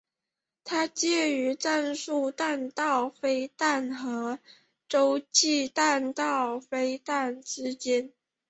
它介于战术弹道飞弹和洲际弹道飞弹之间。